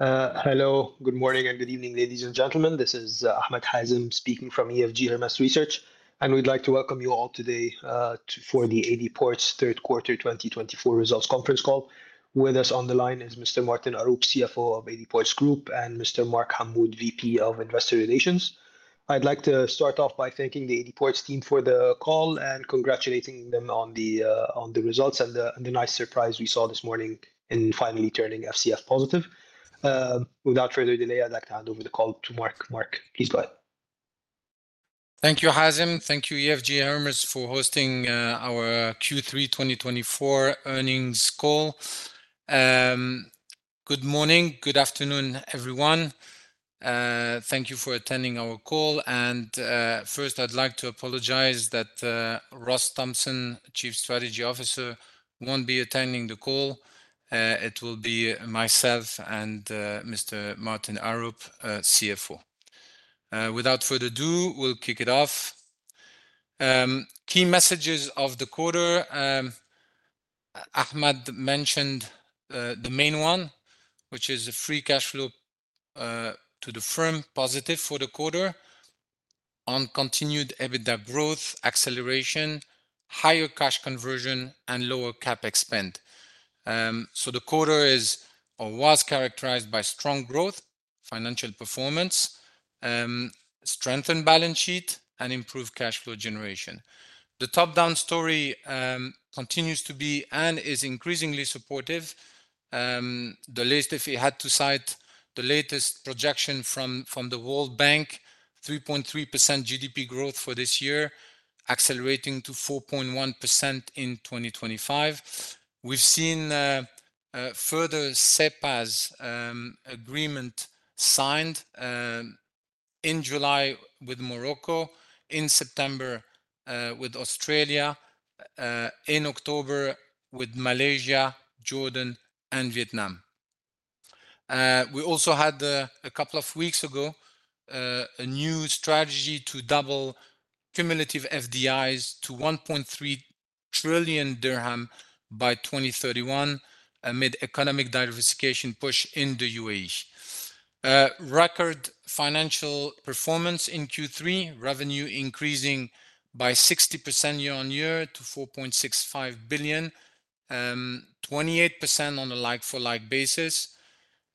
Hello, good morning, and good evening, ladies and gentlemen. This is Ahmed Hazem speaking from EFG Hermes Research, and we'd like to welcome you all today for the AD Ports Group third quarter 2024 results conference call. With us on the line is Mr. Martin Aarup, CFO of AD Ports Group, and Mr. Marc Hammoud, VP of Investor Relations. I'd like to start off by thanking the AD Ports Group team for the call and congratulating them on the results and the nice surprise we saw this morning in finally turning FCF positive. Without further delay, I'd like to hand over the call to Marc. Marc, please go ahead. Thank you, Hazem. Thank you, EFG Hermes, for hosting our Q3 2024 earnings call. Good morning, good afternoon, everyone. Thank you for attending our call. First, I'd like to apologize that Ross Thompson, Chief Strategy Officer, won't be attending the call. It will be myself and Mr. Martin Aarup, CFO. Without further ado, we'll kick it off. Key messages of the quarter. Ahmed mentioned the main one, which is a free cash flow to the firm positive for the quarter on continued EBITDA growth, acceleration, higher cash conversion, and lower CapEx. The quarter was characterized by strong growth, financial performance, strengthened balance sheet, and improved cash flow generation. The top-down story continues to be and is increasingly supportive. The latest, if we had to cite the latest projection from the World Bank, 3.3% GDP growth for this year, accelerating to 4.1% in 2025. We've seen further CEPAs agreements signed in July with Morocco, in September with Australia, in October with Malaysia, Jordan, and Vietnam. We also had a couple of weeks ago a new strategy to double cumulative FDIs to 1.3 trillion dirham by 2031 amid economic diversification push in the UAE. Record financial performance in Q3, revenue increasing by 60% year on year to 4.65 billion, 28% on a like-for-like basis.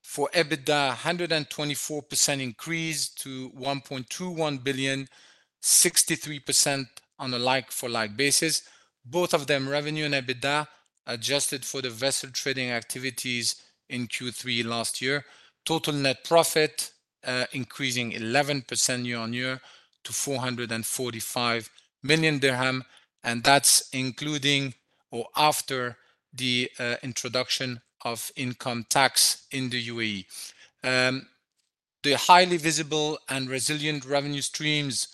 For EBITDA, 124% increase to 1.21 billion, 63% on a like-for-like basis. Both of them, revenue and EBITDA, adjusted for the vessel trading activities in Q3 last year. Total net profit increasing 11% year on year to 445 million dirham, and that's including or after the introduction of income tax in the UAE. The highly visible and resilient revenue streams,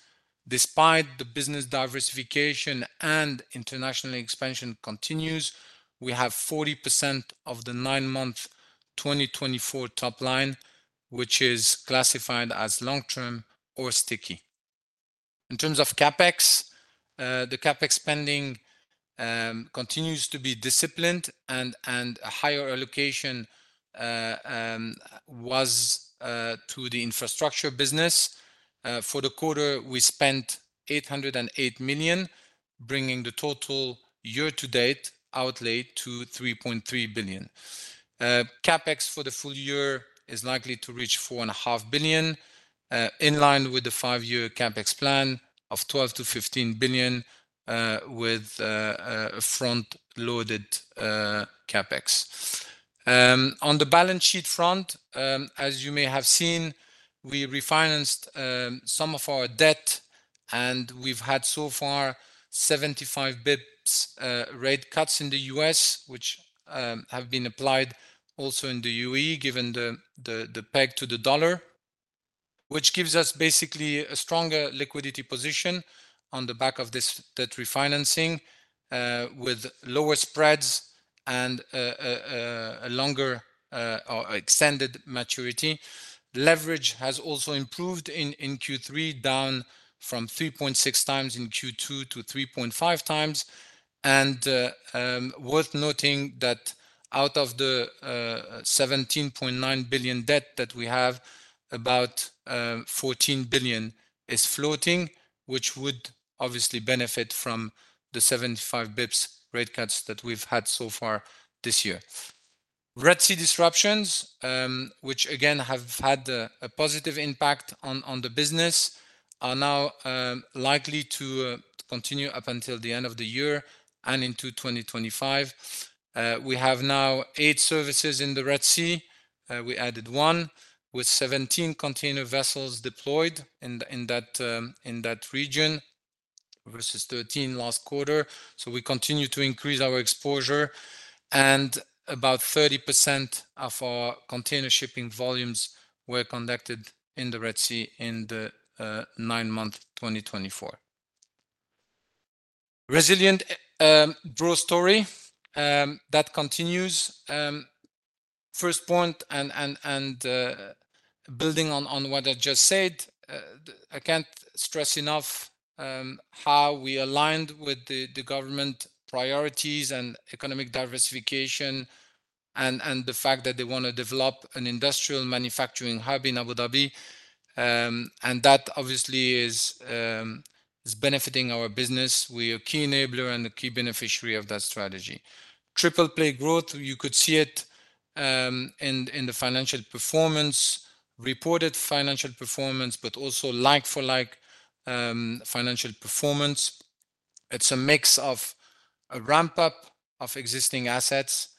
despite the business diversification and international expansion, continues. We have 40% of the nine-month 2024 top line, which is classified as long-term or sticky. In terms of CapEx, the CapEx spending continues to be disciplined, and a higher allocation was to the infrastructure business. For the quarter, we spent 808 million, bringing the total year-to-date outlay to 3.3 billion. CapEx for the full year is likely to reach 4.5 billion, in line with the five-year CapEx plan of 12 billion-15 billion with front-loaded CapEx. On the balance sheet front, as you may have seen, we refinanced some of our debt, and we've had so far 75 basis points rate cuts in the U.S., which have been applied also in the UAE, given the peg to the dollar, which gives us basically a stronger liquidity position on the back of this debt refinancing with lower spreads and a longer or extended maturity. Leverage has also improved in Q3, down from 3.6 times in Q2 to 3.5 times, and worth noting that out of the 17.9 billion debt that we have, about 14 billion is floating, which would obviously benefit from the 75 basis points rate cuts that we've had so far this year. Red Sea disruptions, which again have had a positive impact on the business, are now likely to continue up until the end of the year and into 2025. We have now eight services in the Red Sea. We added one with 17 container vessels deployed in that region versus 13 last quarter, so we continue to increase our exposure, and about 30% of our container shipping volumes were conducted in the Red Sea in the nine-month 2024. Resilient growth story that continues. First point, and building on what I just said, I can't stress enough how we aligned with the government priorities and economic diversification and the fact that they want to develop an industrial manufacturing hub in Abu Dhabi, and that obviously is benefiting our business. We are a key enabler and a key beneficiary of that strategy. Triple-play growth, you could see it in the financial performance, reported financial performance, but also like-for-like financial performance. It's a mix of a ramp-up of existing assets,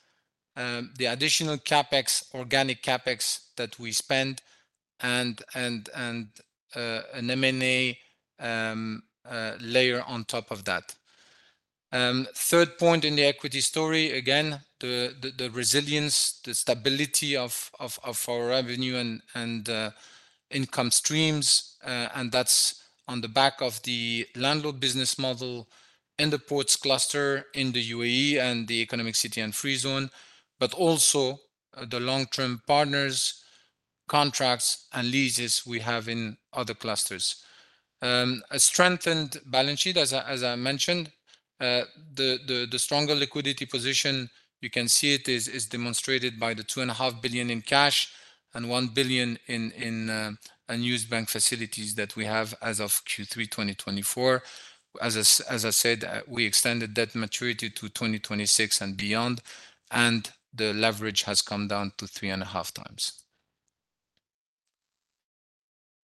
the additional CapEx, organic CapEx that we spend, and an M&A layer on top of that. Third point in the equity story, again, the resilience, the stability of our revenue and income streams, and that's on the back of the landlord business model in the ports cluster in the UAE and the Economic City and Free Zone, but also the long-term partners, contracts, and leases we have in other clusters. A strengthened balance sheet, as I mentioned, the stronger liquidity position, you can see it is demonstrated by the 2.5 billion in cash and 1 billion in unused bank facilities that we have as of Q3 2024. As I said, we extended debt maturity to 2026 and beyond, and the leverage has come down to 3.5 times.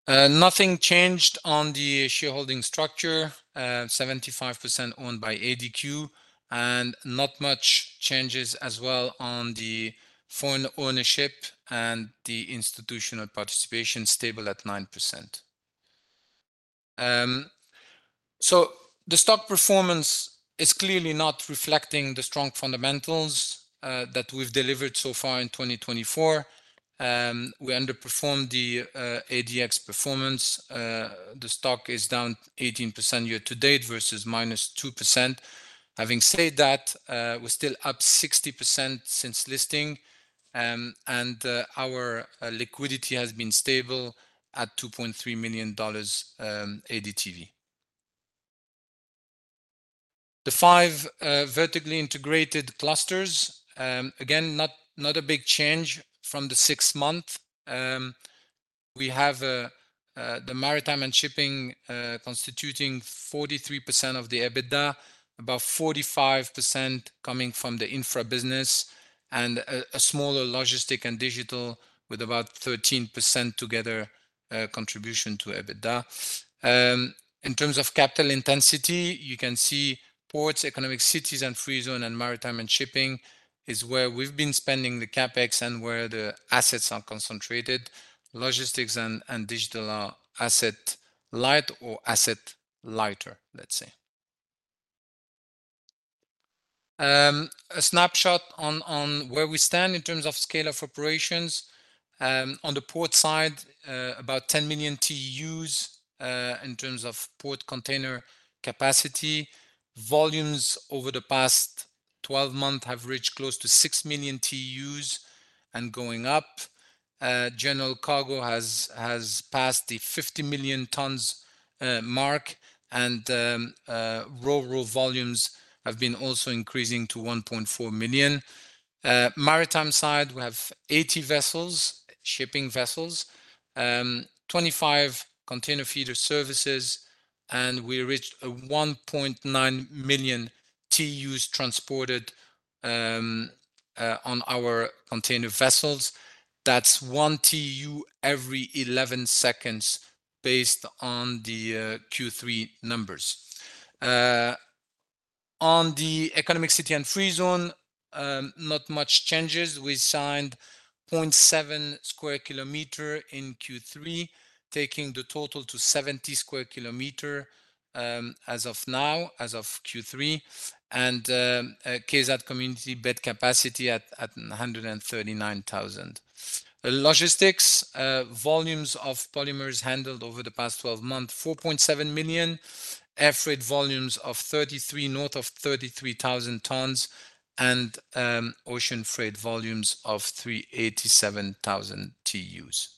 Nothing changed on the shareholding structure, 75% owned by ADQ, and not much changes as well on the foreign ownership and the institutional participation, stable at 9%. So the stock performance is clearly not reflecting the strong fundamentals that we've delivered so far in 2024. We underperformed the ADX performance. The stock is down 18% year-to-date versus -2%. Having said that, we're still up 60% since listing, and our liquidity has been stable at $2.3 million ADTV. The five vertically integrated clusters, again, not a big change from the six-month. We have the maritime and shipping constituting 43% of the EBITDA, about 45% coming from the infra business, and a smaller logistic and digital with about 13% together contribution to EBITDA. In terms of capital intensity, you can see ports, economic cities, and free zone, and maritime and shipping is where we've been spending the CapEx and where the assets are concentrated. Logistics and digital are asset light or asset lighter, let's say. A snapshot on where we stand in terms of scale of operations. On the port side, about 10 million TEUs in terms of port container capacity. Volumes over the past 12 months have reached close to six million TEUs and going up. General Cargo has passed the 50 million tons mark, and Ro-Ro volumes have been also increasing to 1.4 million. Maritime side, we have 80 vessels, shipping vessels, 25 container feeder services, and we reached 1.9 million TEUs transported on our container vessels. That's one TEU every 11 seconds based on the Q3 numbers. On the Economic City and Free Zone, not much changes. We signed 0.7 sq km in Q3, taking the total to 70 sq km as of now, as of Q3, and KEZAD Communities bed capacity at 139,000. Logistics, volumes of polymers handled over the past 12 months, 4.7 million, air freight volumes of 33, north of 33,000 tons, and ocean freight volumes of 387,000 TEUs.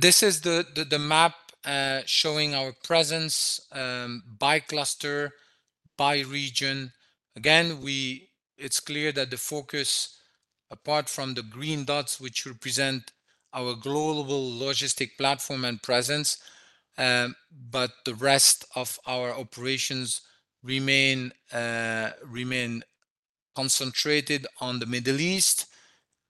This is the map showing our presence by cluster, by region. Again, it's clear that the focus, apart from the green dots, which represent our global logistics platform and presence, but the rest of our operations remain concentrated on the Middle East,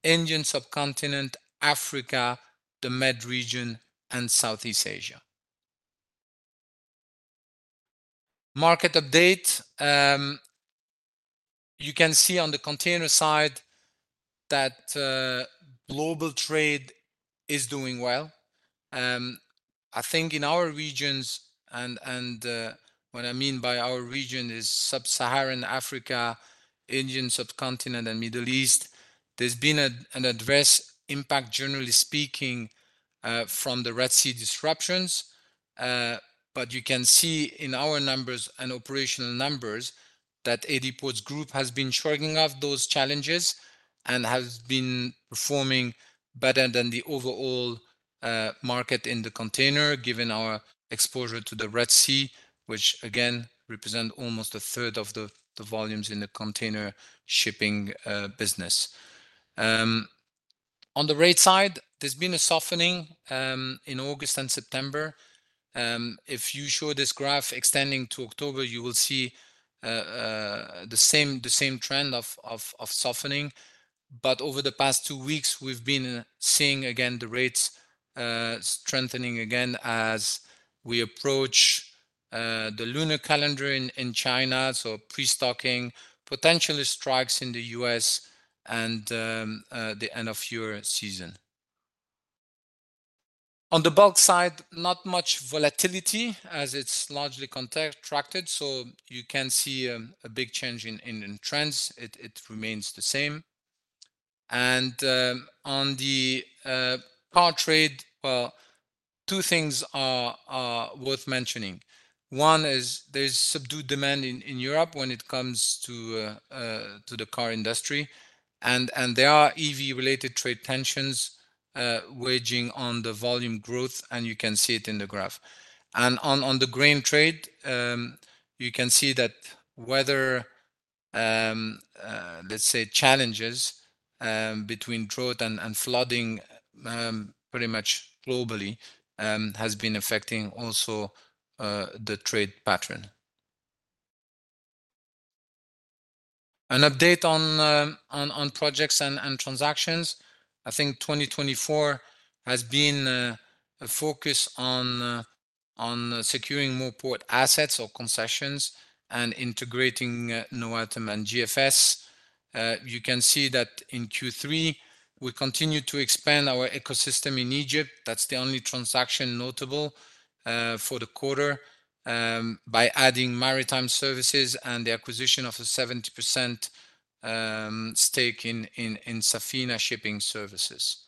Indian Subcontinent, Africa, the Med region, and Southeast Asia. Market update. You can see on the container side that global trade is doing well. I think in our regions, and what I mean by our region is Sub-Saharan Africa, Indian Subcontinent, and Middle East, there's been an adverse impact, generally speaking, from the Red Sea disruptions. But you can see in our numbers and operational numbers that AD Ports Group has been shrugging off those challenges and has been performing better than the overall market in the container, given our exposure to the Red Sea, which again represents almost a third of the volumes in the container shipping business. On the rate side, there's been a softening in August and September. If you show this graph extending to October, you will see the same trend of softening. But over the past two weeks, we've been seeing again the rates strengthening again as we approach the lunar calendar in China. So pre-stocking potentially strikes in the U.S. and the end of year season. On the bulk side, not much volatility as it's largely contracted. So you can see a big change in trends. It remains the same. On the car trade, well, two things are worth mentioning. One is there's subdued demand in Europe when it comes to the car industry. And there are EV-related trade tensions weighing on the volume growth, and you can see it in the graph. And on the grain trade, you can see that weather, let's say, challenges between drought and flooding pretty much globally has been affecting also the trade pattern. An update on projects and transactions. I think 2024 has been a focus on securing more port assets or concessions and integrating Noatum and GFS. You can see that in Q3, we continue to expand our ecosystem in Egypt. That's the only transaction notable for the quarter by adding maritime services and the acquisition of a 70% stake in Safina Shipping Services.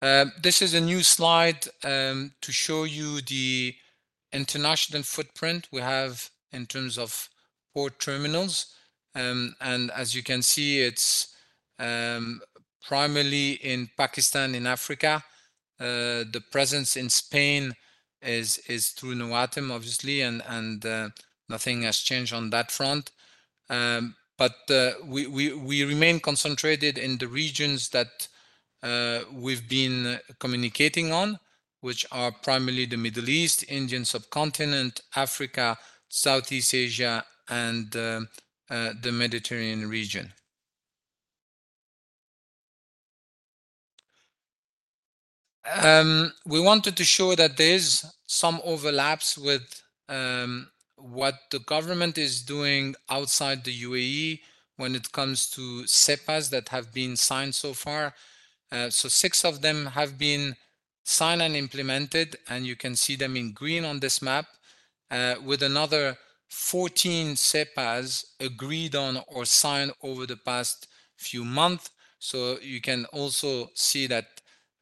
This is a new slide to show you the international footprint we have in terms of port terminals. As you can see, it's primarily in Pakistan, in Africa. The presence in Spain is through Noatum, obviously, and nothing has changed on that front. We remain concentrated in the regions that we've been communicating on, which are primarily the Middle East, Indian subcontinent, Africa, Southeast Asia, and the Mediterranean region. We wanted to show that there's some overlaps with what the government is doing outside the UAE when it comes to CEPAs that have been signed so far. Six of them have been signed and implemented, and you can see them in green on this map, with another 14 CEPAs agreed on or signed over the past few months. You can also see that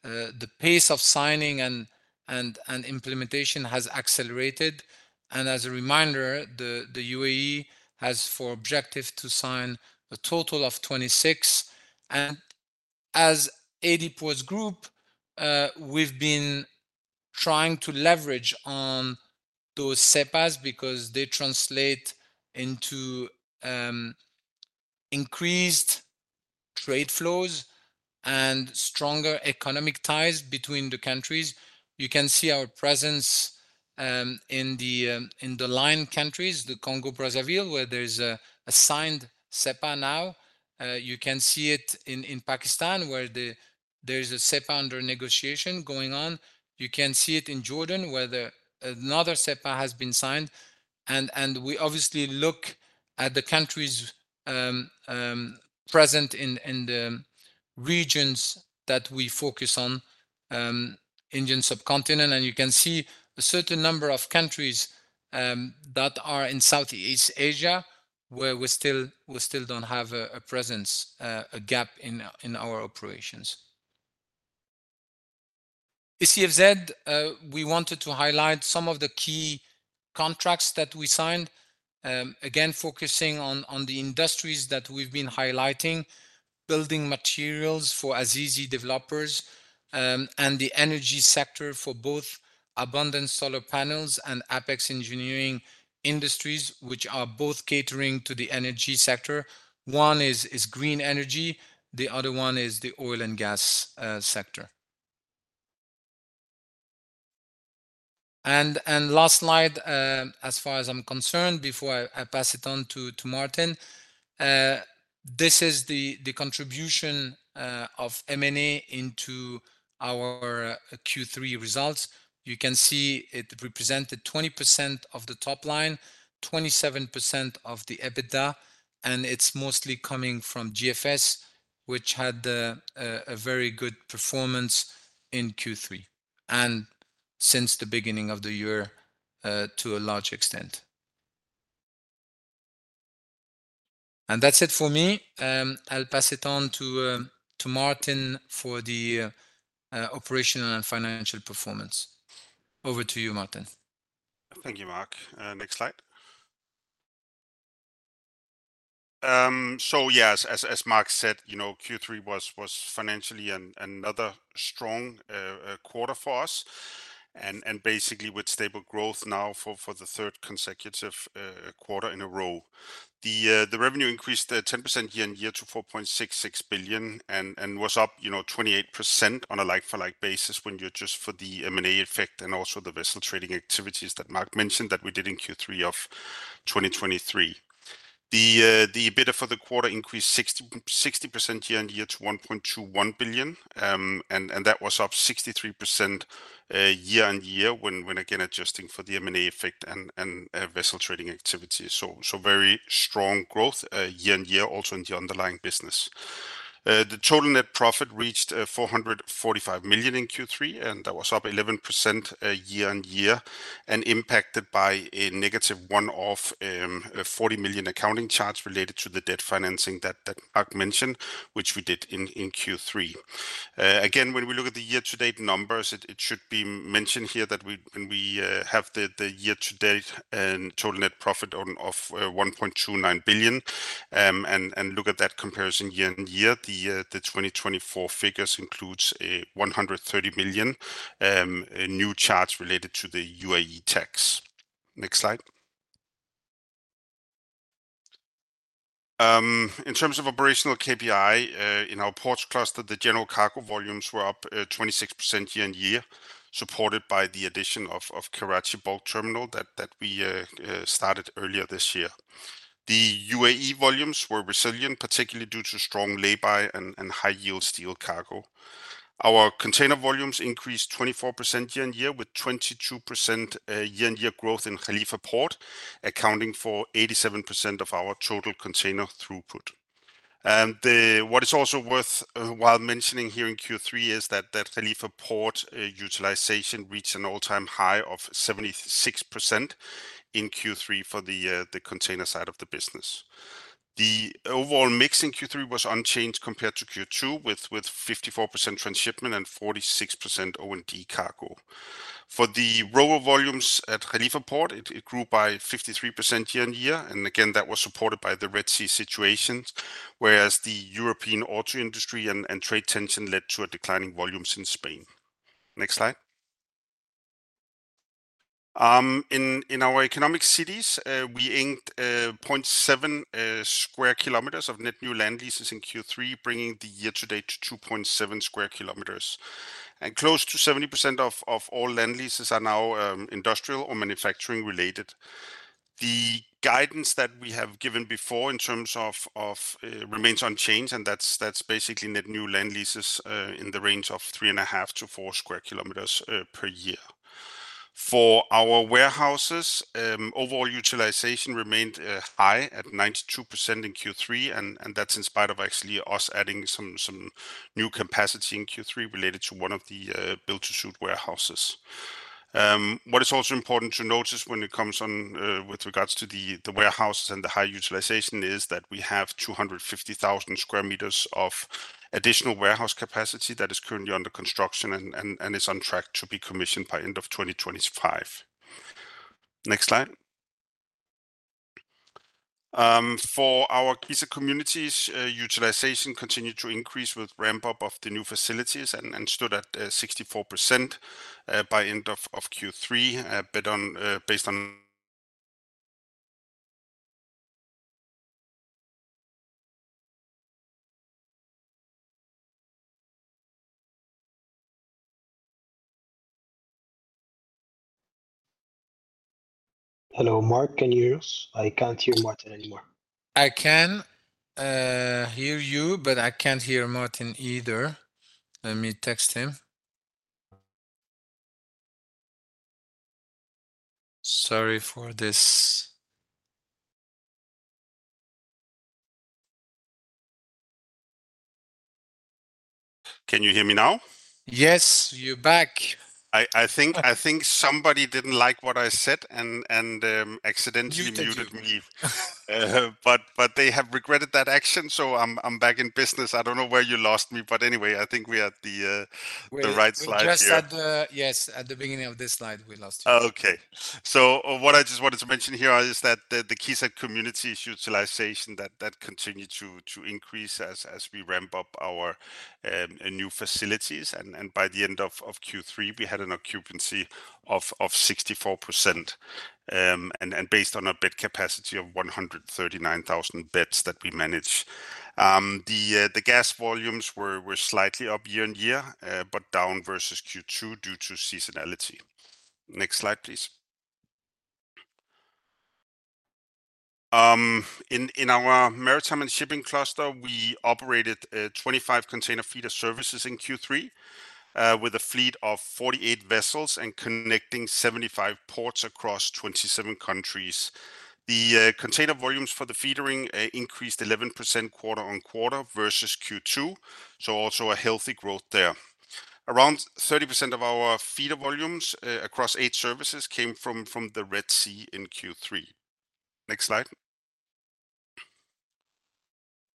the pace of signing and implementation has accelerated. As a reminder, the UAE has for objective to sign a total of 26. As AD Ports Group, we've been trying to leverage on those CEPAs because they translate into increased trade flows and stronger economic ties between the countries. You can see our presence in the line countries, the Congo-Brazzaville, where there's a signed CEPA now. You can see it in Pakistan where there's a CEPA under negotiation going on. You can see it in Jordan where another CEPA has been signed. We obviously look at the countries present in the regions that we focus on, Indian Subcontinent. You can see a certain number of countries that are in Southeast Asia where we still don't have a presence, a gap in our operations. KEZAD, we wanted to highlight some of the key contracts that we signed, again, focusing on the industries that we've been highlighting, building materials for Azizi Developments, and the energy sector for both Al Maden and Apex Engineering Industries, which are both catering to the energy sector. One is green energy. The other one is the oil and gas sector. And last slide, as far as I'm concerned, before I pass it on to Martin, this is the contribution of M&A into our Q3 results. You can see it represented 20% of the top line, 27% of the EBITDA, and it's mostly coming from GFS, which had a very good performance in Q3 and since the beginning of the year to a large extent. And that's it for me. I'll pass it on to Martin for the operational and financial performance. Over to you, Martin. Thank you, Marc. Next slide. So yes, as Marc said, Q3 was financially another strong quarter for us and basically with stable growth now for the third consecutive quarter in a row. The revenue increased 10% year-on-year to 4.66 billion and was up 28% on a like-for-like basis when you adjust for the M&A effect and also the vessel trading activities that Marc mentioned that we did in Q3 of 2023. The EBITDA for the quarter increased 60% year-on-year to 1.21 billion, and that was up 63% year-on-year when again adjusting for the M&A effect and vessel trading activity. So very strong growth year-on-year also in the underlying business. The total net profit reached 445 million in Q3, and that was up 11% year-on-year and impacted by a negative one-off 40 million accounting charge related to the debt financing that Marc mentioned, which we did in Q3. Again, when we look at the year-to-date numbers, it should be mentioned here that we have the year-to-date and total net profit of 1.29 billion, and look at that comparison year-on-year. The 2024 figures includes 130 million new charge related to the UAE tax. Next slide. In terms of operational KPI in our ports cluster, the general cargo volumes were up 26% year-on-year, supported by the addition of Karachi Bulk Terminal that we started earlier this year. The UAE volumes were resilient, particularly due to strong labor and high-yield steel cargo. Our container volumes increased 24% year-on-year with 22% year-on-year growth in Khalifa Port, accounting for 87% of our total container throughput. What is also worthwhile mentioning here in Q3 is that Khalifa Port utilization reached an all-time high of 76% in Q3 for the container side of the business. The overall mix in Q3 was unchanged compared to Q2 with 54% transshipment and 46% O&D cargo. For the Ro-Ro volumes at Khalifa Port, it grew by 53% year-on-year. And again, that was supported by the Red Sea situation, whereas the European auto industry and trade tension led to a declining volumes in Spain. Next slide. In our economic cities, we inked 0.7 sq km of net new land leases in Q3, bringing the year-to-date to 2.7 sq km. And close to 70% of all land leases are now industrial or manufacturing related. The guidance that we have given before in terms of remains unchanged, and that's basically net new land leases in the range of 3.5-4 sq km per year. For our warehouses, overall utilization remained high at 92% in Q3, and that's in spite of actually us adding some new capacity in Q3 related to one of the built-to-suit warehouses. What is also important to notice when it comes with regards to the warehouses and the high utilization is that we have 250,000 sq m of additional warehouse capacity that is currently under construction and is on track to be commissioned by end of 2025. Next slide. For our KEZAD Communities, utilization continued to increase with ramp-up of the new facilities and stood at 64% by end of Q3 based on. Hello, Marc. Can you hear us? I can't hear Martin anymore. I can hear you, but I can't hear Martin either. Let me text him. Sorry for this. Can you hear me now? Yes, you're back. I think somebody didn't like what I said and accidentally muted me. But they have regretted that action, so I'm back in business. I don't know where you lost me, but anyway, I think we had the right slide here. Yes, at the beginning of this slide, we lost you. Okay. So what I just wanted to mention here is that the KEZAD Communities' utilization that continued to increase as we ramp up our new facilities. And by the end of Q3, we had an occupancy of 64% and based on a bed capacity of 139,000 beds that we manage. The gas volumes were slightly up year-on-year, but down versus Q2 due to seasonality. Next slide, please. In our maritime and shipping cluster, we operated 25 container feeder services in Q3 with a fleet of 48 vessels and connecting 75 ports across 27 countries. The container volumes for the feeder increased 11% quarter-on-quarter versus Q2, so also a healthy growth there. Around 30% of our feeder volumes across eight services came from the Red Sea in Q3. Next slide.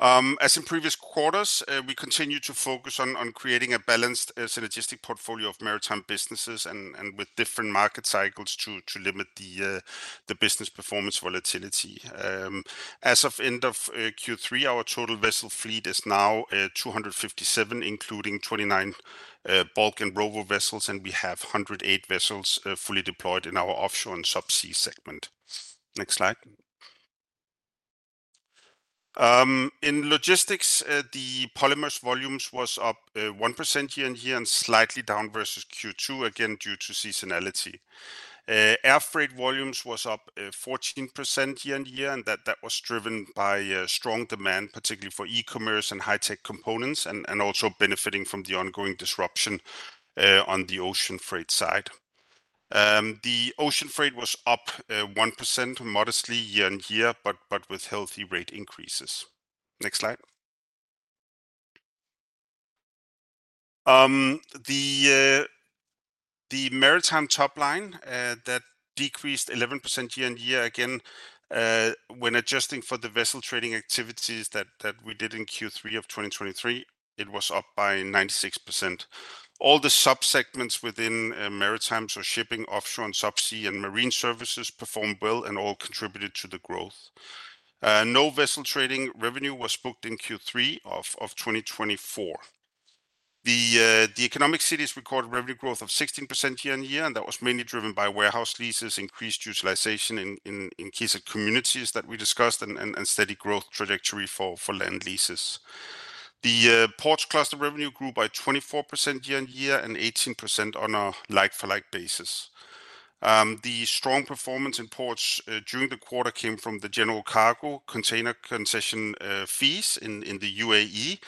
As in previous quarters, we continue to focus on creating a balanced synergistic portfolio of maritime businesses and with different market cycles to limit the business performance volatility. As of end of Q3, our total vessel fleet is now 257, including 29 bulk and Ro-Ro vessels, and we have 108 vessels fully deployed in our offshore and subsea segment. Next slide. In logistics, the polymers volumes were up 1% year-on-year and slightly down versus Q2, again due to seasonality. Air freight volumes were up 14% year-on-year, and that was driven by strong demand, particularly for e-commerce and high-tech components, and also benefiting from the ongoing disruption on the ocean freight side. The ocean freight was up 1% modestly year-on-year, but with healthy rate increases. Next slide. The maritime top line decreased 11% year-on-year. Again, when adjusting for the vessel trading activities that we did in Q3 of 2023, it was up by 96%. All the subsegments within maritimes or shipping, offshore, and subsea and marine services performed well and all contributed to the growth. No vessel trading revenue was booked in Q3 of 2024. The economic cities recorded revenue growth of 16% year-on-year, and that was mainly driven by warehouse leases, increased utilization in key communities that we discussed, and steady growth trajectory for land leases. The ports cluster revenue grew by 24% year-on-year and 18% on a like-for-like basis. The strong performance in ports during the quarter came from the general cargo container concession fees in the UAE,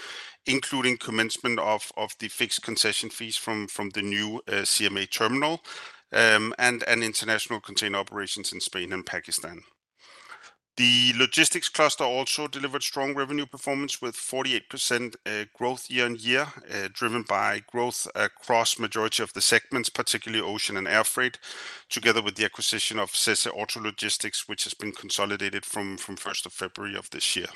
including commencement of the fixed concession fees from the new CMA Terminal and international container operations in Spain and Pakistan. The logistics cluster also delivered strong revenue performance with 48% growth year-on-year, driven by growth across the majority of the segments, particularly ocean and air freight, together with the acquisition of Sesé Auto Logistics, which has been consolidated from 1st of February of this year.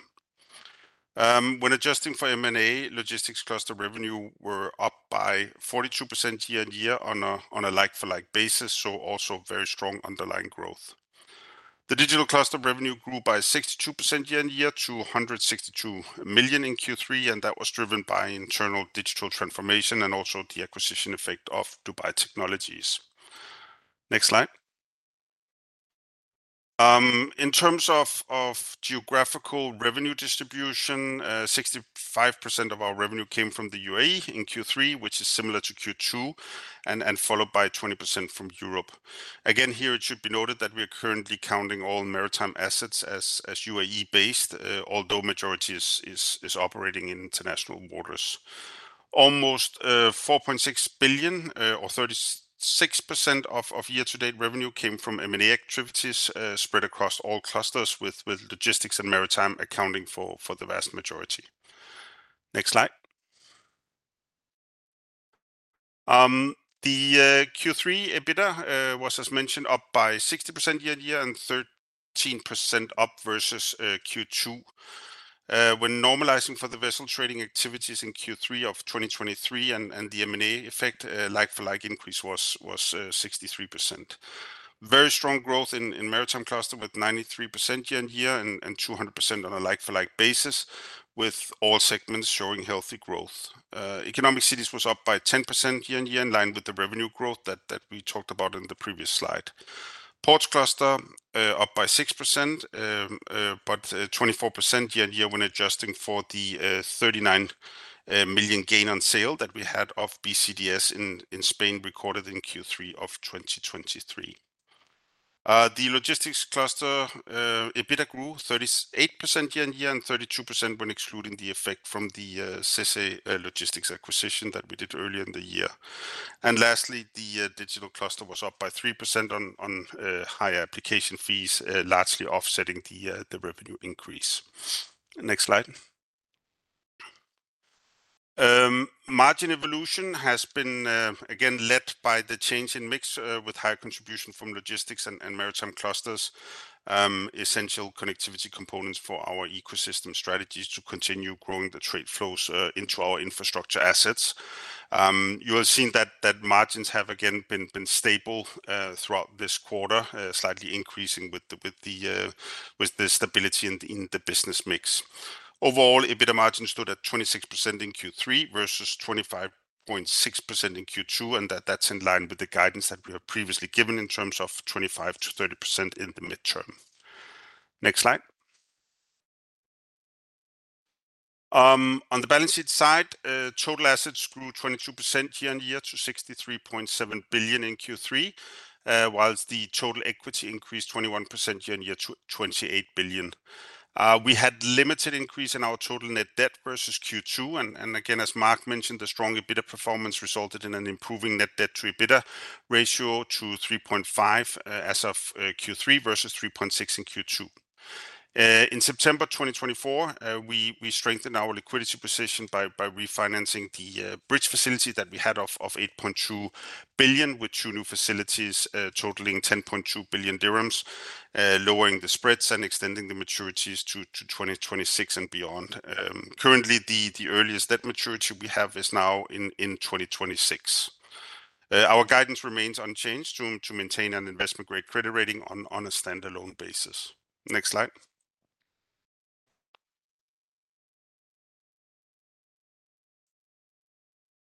When adjusting for M&A, logistics cluster revenue were up by 42% year-on-year on a like-for-like basis, so also very strong underlying growth. The digital cluster revenue grew by 62% year-on-year to 162 million in Q3, and that was driven by internal digital transformation and also the acquisition effect of Dubai Technologies. Next slide. In terms of geographical revenue distribution, 65% of our revenue came from the UAE in Q3, which is similar to Q2, and followed by 20% from Europe. Again, here it should be noted that we are currently counting all maritime assets as UAE-based, although the majority is operating in international borders. Almost 4.6 billion or 36% of year-to-date revenue came from M&A activities spread across all clusters, with logistics and maritime accounting for the vast majority. Next slide. The Q3 EBITDA was, as mentioned, up by 60% year-on-year and 13% up versus Q2. When normalizing for the vessel trading activities in Q3 of 2023 and the M&A effect, like-for-like increase was 63%. Very strong growth in maritime cluster with 93% year-on-year and 200% on a like-for-like basis, with all segments showing healthy growth. Economic cities were up by 10% year-on-year, in line with the revenue growth that we talked about in the previous slide. Ports cluster up by 6%, but 24% year-on-year when adjusting for the 39 million gain on sale that we had of BCDS in Spain recorded in Q3 of 2023. The logistics cluster EBITDA grew 38% year-on-year and 32% when excluding the effect from the Sesé Auto Logistics acquisition that we did earlier in the year. And lastly, the digital cluster was up by 3% on higher application fees, largely offsetting the revenue increase. Next slide. Margin evolution has been again led by the change in mix with higher contribution from logistics and maritime clusters, essential connectivity components for our ecosystem strategies to continue growing the trade flows into our infrastructure assets. You have seen that margins have again been stable throughout this quarter, slightly increasing with the stability in the business mix. Overall, EBITDA margins stood at 26% in Q3 versus 25.6% in Q2, and that's in line with the guidance that we have previously given in terms of 25%-30% in the midterm. Next slide. On the balance sheet side, total assets grew 22% year-on-year to 63.7 billion in Q3, while the total equity increased 21% year-on-year to 28 billion. We had limited increase in our total net debt versus Q2. And again, as Marc mentioned, the strong EBITDA performance resulted in an improving net debt to EBITDA ratio to 3.5 as of Q3 versus 3.6 in Q2. In September 2024, we strengthened our liquidity position by refinancing the bridge facility that we had of 8.2 billion, with two new facilities totaling 10.2 billion dirhams, lowering the spreads and extending the maturities to 2026 and beyond. Currently, the earliest debt maturity we have is now in 2026. Our guidance remains unchanged to maintain an investment-grade credit rating on a standalone basis. Next slide.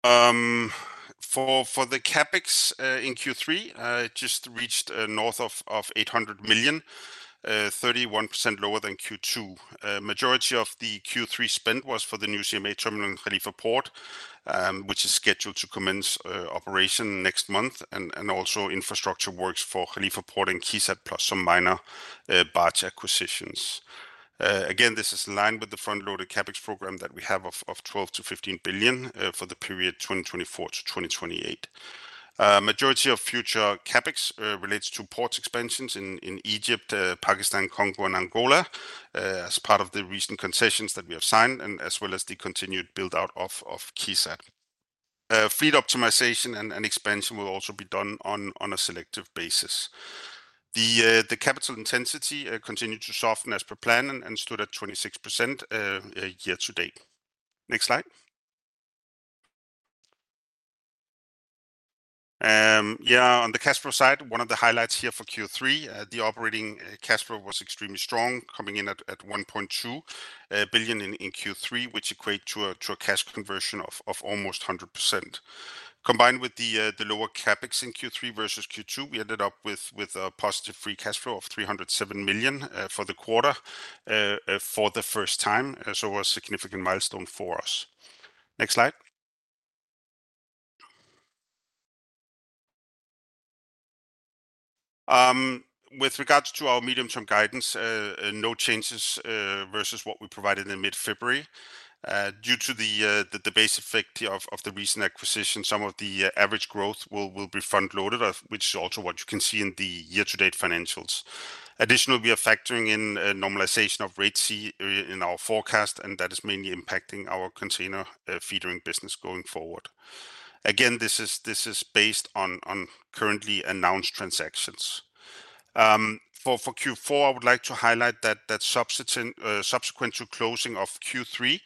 For the CapEx in Q3, it just reached north of 800 million, 31% lower than Q2. Majority of the Q3 spend was for the new CMA Terminal in Khalifa Port, which is scheduled to commence operation next month, and also infrastructure works for Khalifa Port and KEZAD plus some minor barge acquisitions. Again, this is in line with the front-loaded CapEx program that we have of 12 billion-15 billion for the period 2024 to 2028. Majority of future CapEx relates to ports expansions in Egypt, Pakistan, Congo, and Angola as part of the recent concessions that we have signed, and as well as the continued build-out of KEZAD. Fleet optimization and expansion will also be done on a selective basis. The capital intensity continued to soften as per plan and stood at 26% year-to-date. Next slide. Yeah, on the cash flow side, one of the highlights here for Q3, the operating cash flow was extremely strong, coming in at 1.2 billion in Q3, which equates to a cash conversion of almost 100%. Combined with the lower CapEx in Q3 versus Q2, we ended up with a positive free cash flow of 307 million for the quarter for the first time, so a significant milestone for us. Next slide. With regards to our medium-term guidance, no changes versus what we provided in mid-February. Due to the base effect of the recent acquisition, some of the average growth will be front-loaded, which is also what you can see in the year-to-date financials. Additionally, we are factoring in normalization of Red Sea in our forecast, and that is mainly impacting our container feedering business going forward. Again, this is based on currently announced transactions. For Q4, I would like to highlight that subsequent to closing of Q3,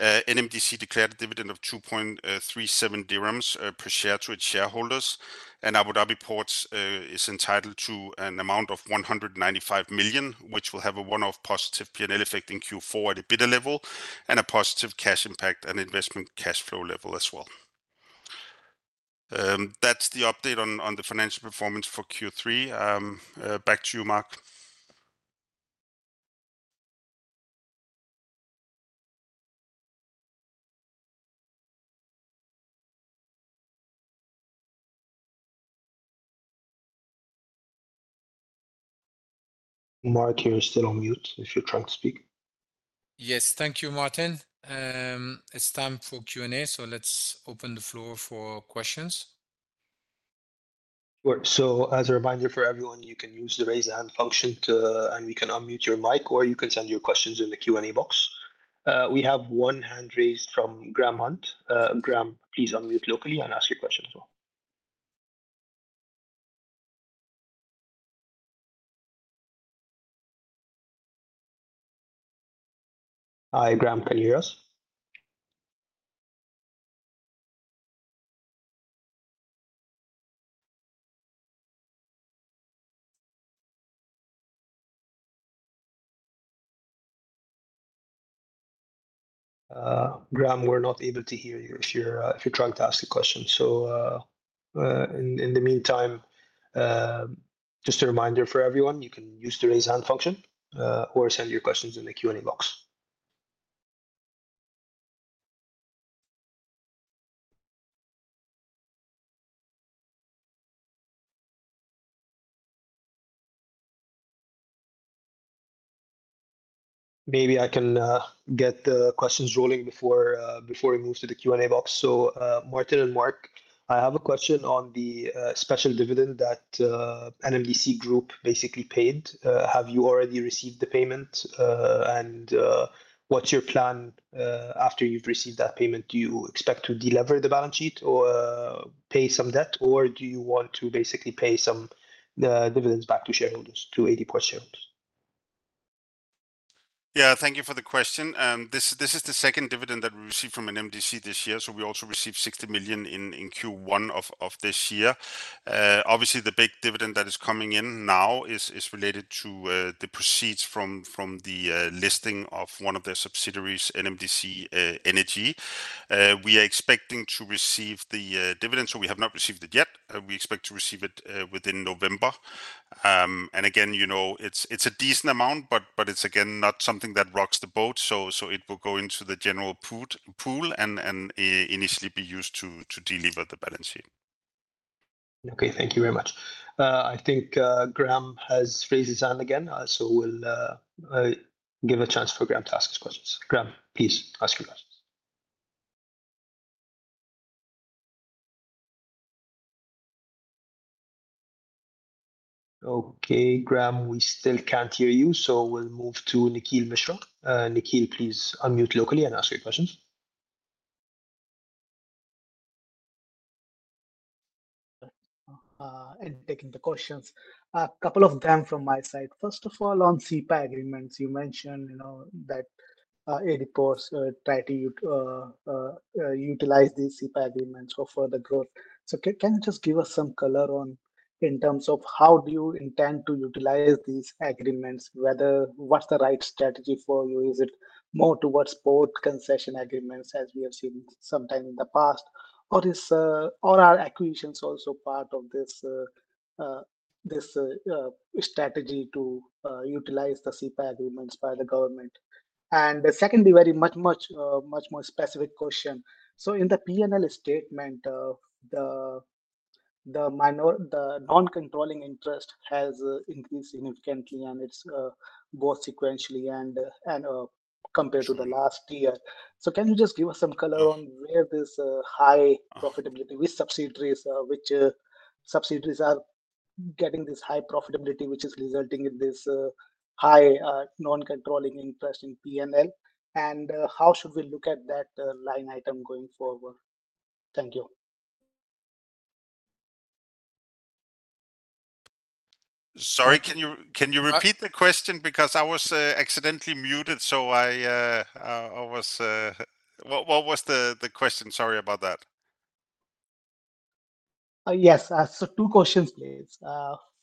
NMDC declared a dividend of 2.37 dirhams per share to its shareholders, and Abu Dhabi Ports is entitled to an amount of 195 million, which will have a one-off positive P&L effect in Q4 at a bidder level and a positive cash impact and investment cash flow level as well. That's the update on the financial performance for Q3. Back to you, Marc. Marc here is still on mute if you're trying to speak. Yes, thank you, Martin. It's time for Q&A, so let's open the floor for questions. Sure. So as a reminder for everyone, you can use the raise hand function and you can unmute your mic, or you can send your questions in the Q&A box. We have one hand raised from Graham Hunt. Graham, please unmute locally and ask your question as well. Hi, Graham, can you hear us? Graham, we're not able to hear you if you're trying to ask a question. So in the meantime, just a reminder for everyone, you can use the raise hand function or send your questions in the Q&A box. Maybe I can get the questions rolling before we move to the Q&A box. Martin and Marc, I have a question on the special dividend that NMDC Group basically paid. Have you already received the payment, and what's your plan after you've received that payment? Do you expect to de-lever the balance sheet or pay some debt, or do you want to basically pay some dividends back to shareholders, to AD Ports Group shareholders? Yeah, thank you for the question. This is the second dividend that we received from NMDC this year, so we also received 60 million in Q1 of this year. Obviously, the big dividend that is coming in now is related to the proceeds from the listing of one of their subsidiaries, NMDC Energy. We are expecting to receive the dividend, so we have not received it yet. We expect to receive it within November, and again, it's a decent amount, but it's again not something that rocks the boat, so it will go into the general pool and initially be used to de-lever the balance sheet. Okay, thank you very much. I think Graham has raised his hand again, so we'll give a chance for Graham to ask his questions. Graham, please ask your questions. Okay, Graham, we still can't hear you, so we'll move to Nikhil Mishra. Nikhil, please unmute locally and ask your questions. And taking the questions, a couple of them from my side. First of all, on CEPA agreements, you mentioned that AD Ports Group try to utilize these CEPA agreements for further growth. So can you just give us some color in terms of how do you intend to utilize these agreements? What's the right strategy for you? Is it more towards port concession agreements as we have seen sometime in the past, or are acquisitions also part of this strategy to utilize the CEPA agreements by the government? And secondly, very much more specific question. So in the P&L statement, the non-controlling interest has increased significantly, and it's both sequentially and compared to the last year. So can you just give us some color on where this high profitability, which subsidiaries are getting this high profitability, which is resulting in this high non-controlling interest in P&L? And how should we look at that line item going forward? Thank you. Sorry, can you repeat the question? Because I was accidentally muted, so I was—what was the question? Sorry about that. Yes, so two questions, please.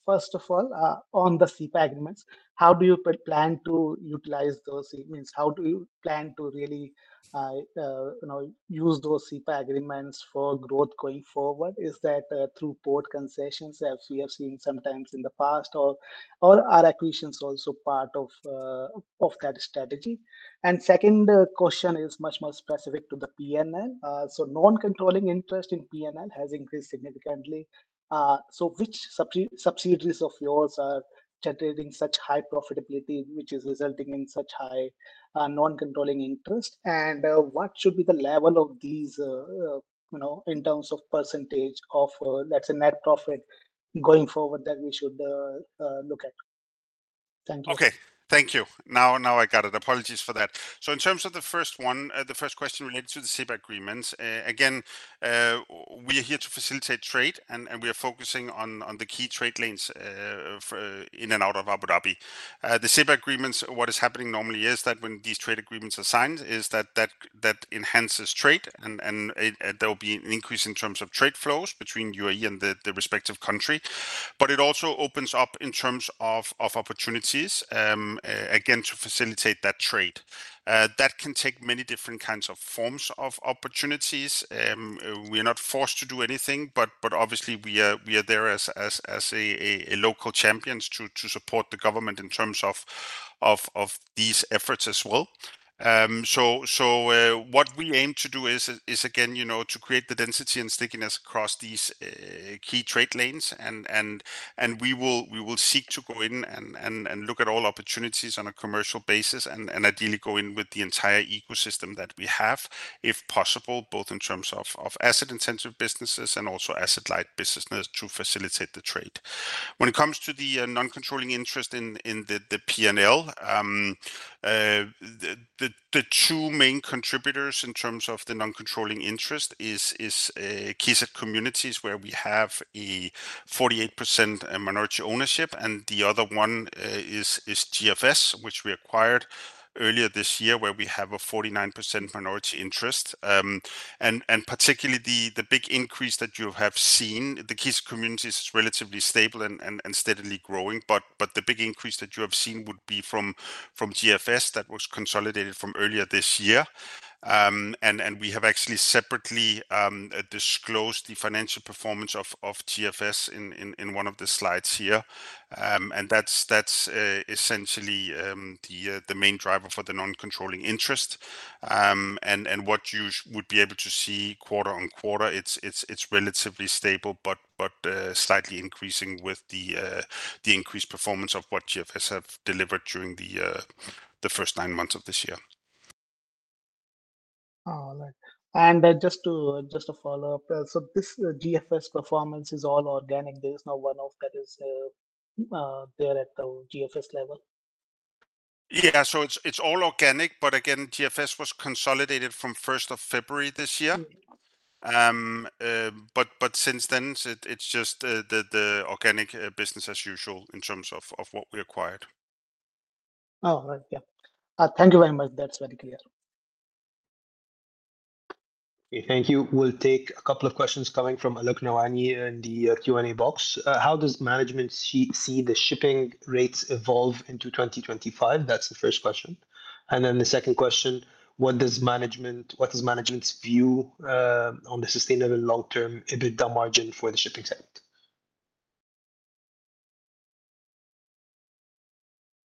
First of all, on the CEPA agreements, how do you plan to utilize those? How do you plan to really use those CEPA agreements for growth going forward? Is that through port concessions as we have seen sometimes in the past, or are acquisitions also part of that strategy? And second question is much more specific to the P&L. So non-controlling interest in P&L has increased significantly. So which subsidiaries of yours are generating such high profitability, which is resulting in such high non-controlling interest? And what should be the level of these in terms of percentage of, let's say, net profit going forward that we should look at? Thank you. Okay, thank you. Now I got it. Apologies for that. So in terms of the first one, the first question related to the CEPA agreements, again, we are here to facilitate trade, and we are focusing on the key trade lanes in and out of Abu Dhabi. The CEPA agreements, what is happening normally is that when these trade agreements are signed, is that that enhances trade, and there will be an increase in terms of trade flows between UAE and the respective country. But it also opens up in terms of opportunities, again, to facilitate that trade. That can take many different kinds of forms of opportunities. We are not forced to do anything, but obviously, we are there as a local champion to support the government in terms of these efforts as well. So what we aim to do is, again, to create the density and stickiness across these key trade lanes. And we will seek to go in and look at all opportunities on a commercial basis and ideally go in with the entire ecosystem that we have, if possible, both in terms of asset-intensive businesses and also asset-light businesses to facilitate the trade. When it comes to the non-controlling interest in the P&L, the two main contributors in terms of the non-controlling interest is KEZAD Communities, where we have a 48% minority ownership, and the other one is GFS, which we acquired earlier this year, where we have a 49% minority interest. And particularly, the big increase that you have seen, the KEZAD Communities is relatively stable and steadily growing, but the big increase that you have seen would be from GFS that was consolidated from earlier this year. And we have actually separately disclosed the financial performance of GFS in one of the slides here. And that's essentially the main driver for the non-controlling interest. And what you would be able to see quarter-on-quarter, it's relatively stable, but slightly increasing with the increased performance of what GFS have delivered during the first nine months of this year. And just to follow-up, so this GFS performance is all organic. There is no one-off that is there at the GFS level? Yeah, so it's all organic, but again, GFS was consolidated from 1st of February this year. But since then, it's just the organic business as usual in terms of what we acquired. All right, yeah. Thank you very much. That's very clear. Okay, thank you. We'll take a couple of questions coming from Alok Nawani in the Q&A box. How does management see the shipping rates evolve into 2025? That's the first question. And then the second question, what does management's view on the sustainable long-term EBITDA margin for the shipping segment?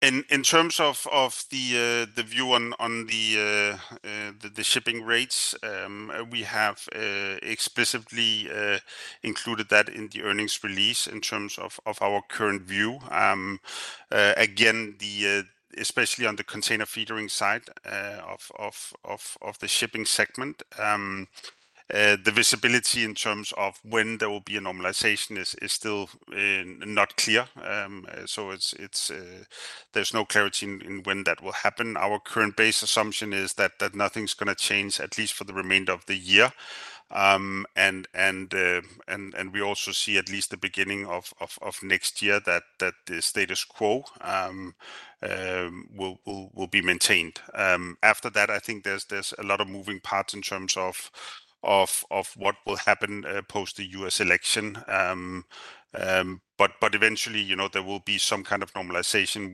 In terms of the view on the shipping rates, we have explicitly included that in the earnings release in terms of our current view. Again, especially on the container feedering side of the shipping segment, the visibility in terms of when there will be a normalization is still not clear. So there's no clarity in when that will happen. Our current base assumption is that nothing's going to change, at least for the remainder of the year. And we also see at least the beginning of next year that the status quo will be maintained. After that, I think there's a lot of moving parts in terms of what will happen post the U.S. election. But eventually, there will be some kind of normalization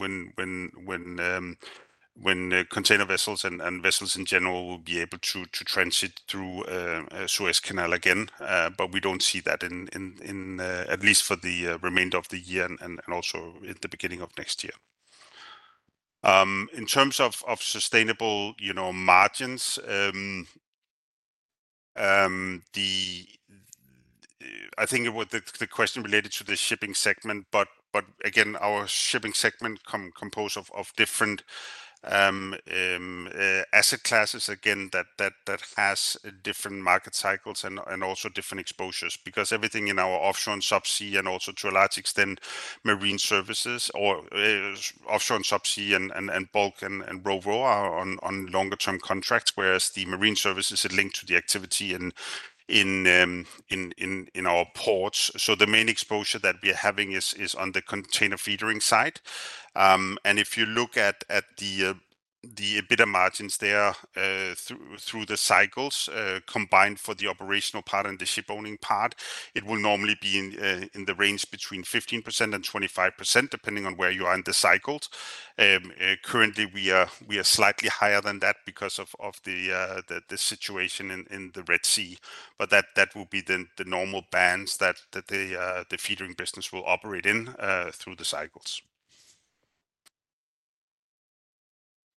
when container vessels and vessels in general will be able to transit through Suez Canal again. But we don't see that, at least for the remainder of the year and also at the beginning of next year. In terms of sustainable margins, I think the question related to the shipping segment, but again, our shipping segment composed of different asset classes, again, that has different market cycles and also different exposures because everything in our offshore and subsea and also to a large extent marine services or offshore and subsea and bulk and Ro-Ro are on longer-term contracts, whereas the marine service is linked to the activity in our ports. So the main exposure that we are having is on the container feedering side. And if you look at the EBITDA margins there through the cycles combined for the operational part and the ship owning part, it will normally be in the range between 15% and 25% depending on where you are in the cycles. Currently, we are slightly higher than that because of the situation in the Red Sea. But that will be the normal bands that the feedering business will operate in through the cycles.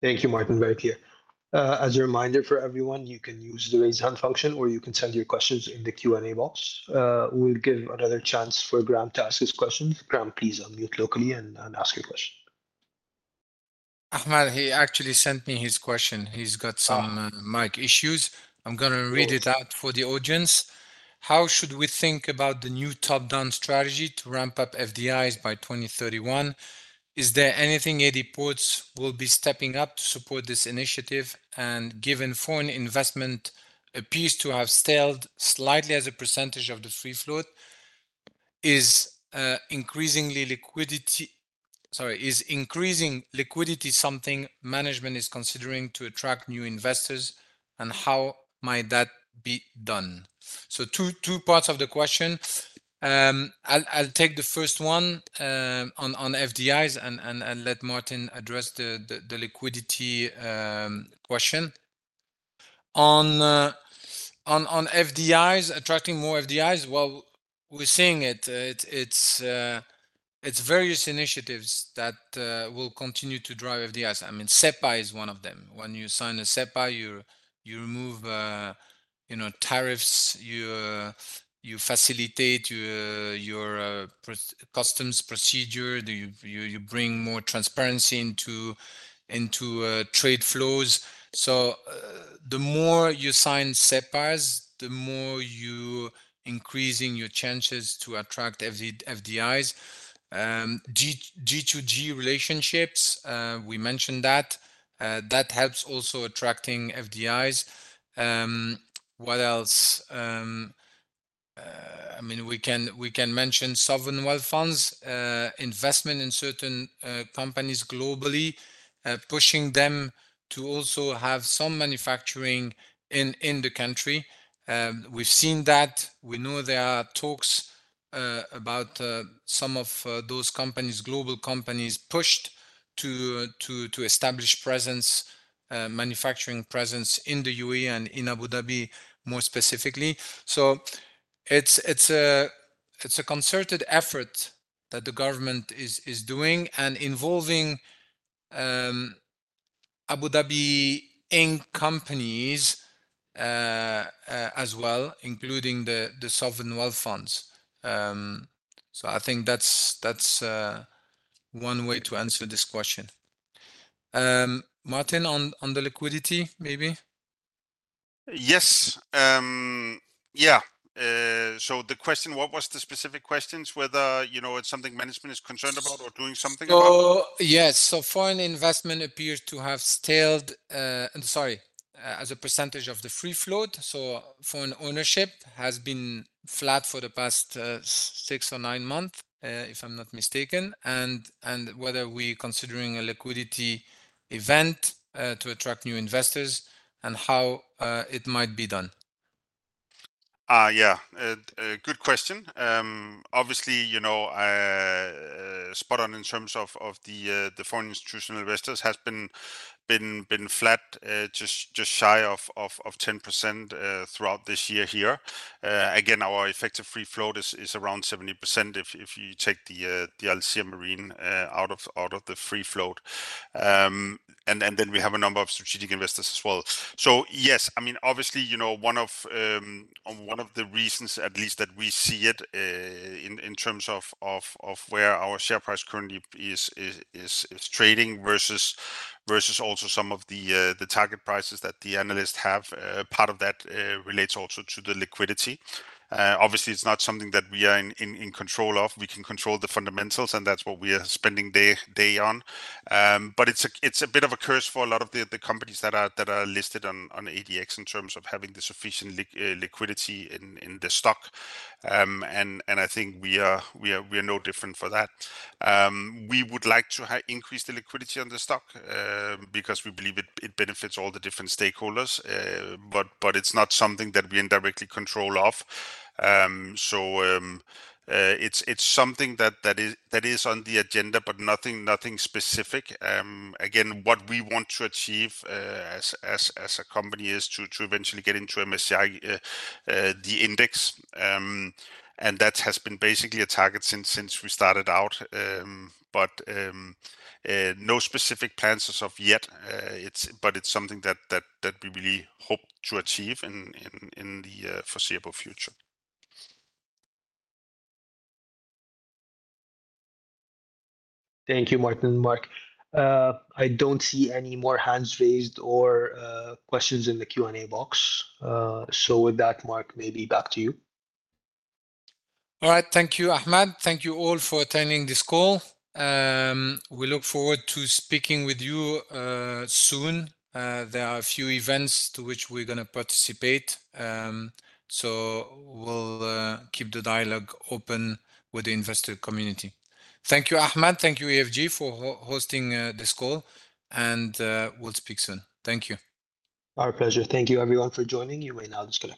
Thank you, Martin. Very clear. As a reminder for everyone, you can use the raise hand function or you can send your questions in the Q&A box. We'll give another chance for Graham to ask his questions. Graham, please unmute locally and ask your question. Ahmed, he actually sent me his question. He's got some mic issues. I'm going to read it out for the audience. How should we think about the new top-down strategy to ramp up FDIs by 2031? Is there anything AD Ports Group will be stepping up to support this initiative? And given foreign investment appears to have stalled slightly as a percentage of the free float, is increasing liquidity something management is considering to attract new investors? And how might that be done? So two parts of the question. I'll take the first one on FDIs and let Martin address the liquidity question. On FDIs, attracting more FDIs, well, we're seeing it. It's various initiatives that will continue to drive FDIs. I mean, CEPA is one of them. When you sign a CEPA, you remove tariffs, you facilitate your customs procedure, you bring more transparency into trade flows. So the more you sign CEPAs, the more you increase your chances to attract FDIs. G2G relationships, we mentioned that. That helps also attracting FDIs. What else? I mean, we can mention sovereign wealth funds, investment in certain companies globally, pushing them to also have some manufacturing in the country. We've seen that. We know there are talks about some of those companies, global companies, pushed to establish manufacturing presence in the UAE and in Abu Dhabi more specifically. So it's a concerted effort that the government is doing and involving Abu Dhabi-owned companies as well, including the sovereign wealth funds. So I think that's one way to answer this question. Martin, on the liquidity, maybe? Yes. Yeah. So the question, what was the specific questions, whether it's something management is concerned about or doing something about? Yes. So foreign investment appears to have stalled, sorry, as a percentage of the free float. So foreign ownership has been flat for the past six or nine months, if I'm not mistaken. And whether we are considering a liquidity event to attract new investors and how it might be done. Yeah. Good question. Obviously, spot on in terms of the foreign institutional investors has been flat, just shy of 10% throughout this year here. Again, our effective free float is around 70% if you take the Al Seer Marine out of the free float. And then we have a number of strategic investors as well. So yes, I mean, obviously, one of the reasons, at least, that we see it in terms of where our share price currently is trading versus also some of the target prices that the analysts have, part of that relates also to the liquidity. Obviously, it's not something that we are in control of. We can control the fundamentals, and that's what we are spending day on. But it's a bit of a curse for a lot of the companies that are listed on ADX in terms of having the sufficient liquidity in the stock. And I think we are no different for that. We would like to increase the liquidity on the stock because we believe it benefits all the different stakeholders, but it's not something that we indirectly control off. So it's something that is on the agenda, but nothing specific. Again, what we want to achieve as a company is to eventually get into MSCI, the index, and that has been basically a target since we started out, but no specific plans as of yet, but it's something that we really hope to achieve in the foreseeable future. Thank you, Martin. Marc, I don't see any more hands raised or questions in the Q&A box. So with that, Marc, maybe back to you. All right. Thank you, Ahmed. Thank you all for attending this call. We look forward to speaking with you soon. There are a few events to which we're going to participate. We'll keep the dialogue open with the investor community. Thank you, Ahmed. Thank you, EFG, for hosting this call. We'll speak soon. Thank you. Our pleasure. Thank you, everyone, for joining. You may now disconnect.